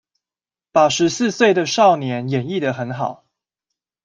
把十四歲的少年演繹的很好